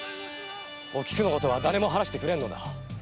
おきくのことは誰も話してくれんのだ。